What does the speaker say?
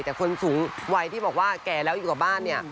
แต่คนสูงวัยที่บอกว่าแก่แล้วอยู่กับบ้านเนี่ย